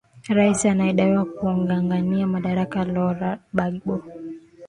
rais anayedaiwa kungangania madaraka lora bagbo